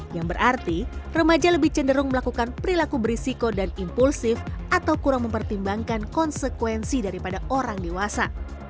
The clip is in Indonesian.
yang berarti remaja lebih cenderung melakukan perilaku berisiko dan impulsif atau kurang mempertimbangkan konsekuensi daripada orang dewasa